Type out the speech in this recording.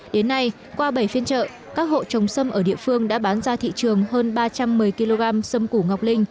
đến nay qua bảy phiên trợ các hộ trồng xâm ở địa phương đã bán ra thị trường hơn ba trăm một mươi kg xâm củ ngọc linh